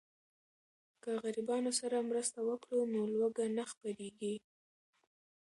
که غریبانو سره مرسته وکړو نو لوږه نه خپریږي.